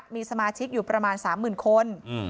มีสมาชิกอยู่ประมาณ๓๐๐๐คน